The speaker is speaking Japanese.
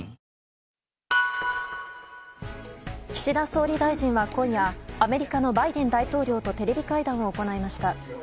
岸田総理大臣は今夜アメリカのバイデン大統領とテレビ会談を行いました。